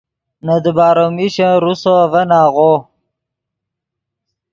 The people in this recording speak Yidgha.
نے دیبارو میشن روسو اڤن آغو